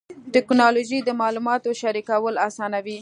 ټکنالوجي د معلوماتو شریکول اسانوي.